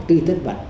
tuy thất vật